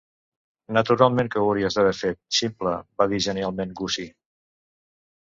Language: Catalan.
"Naturalment que ho hauries d'haver fet, ximple", va dir genialment Gussie.